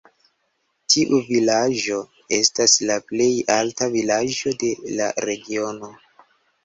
Tiu vilaĝo estas la plej alta vilaĝo de la regiono.